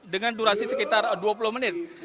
dengan durasi sekitar dua puluh menit